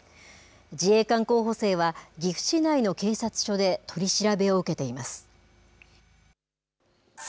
自衛官候補生は、岐阜市内の警察署で取り調べを受けています。